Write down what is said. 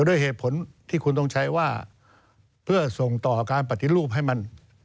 ด้วยเหตุผลที่คุณต้องใช้ว่าเพื่อส่งต่อการปฏิรูปให้มัน